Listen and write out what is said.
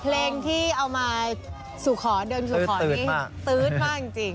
เพลงที่เอามาสู่ขอเดินสู่ขอนี้ตื๊ดมากจริง